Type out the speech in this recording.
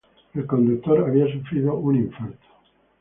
El conductor había sufrido un infarto.